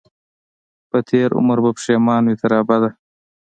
په تېر عمر به پښېمان وي تر ابده